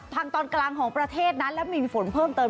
ตอนกลางของประเทศนั้นและมีฝนเพิ่มเติม